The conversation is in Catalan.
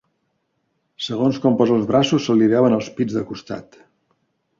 Segons com posa els braços se li veuen els pits de costat.